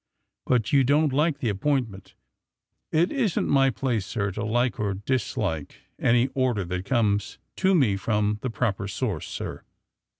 '*But you don^t like the appointment?"' *^It isn't my place, sir, to like or to dislike any order that comes to me from the proper source, sir."